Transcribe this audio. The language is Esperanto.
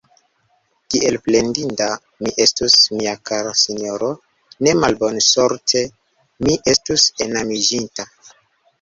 Kiel plendinda mi estus, mia kara sinjoro, se malbonsorte mi estus enamiĝinta!